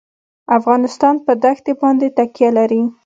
افغانستان په دښتې باندې تکیه لري.